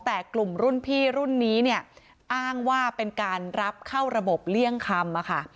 แต่กลุ่มรุ่นพี่รุ่นนี้เนี่ยอ้างว่าเป็นการรับเข้าระบบเลี่ยงคำอะค่ะ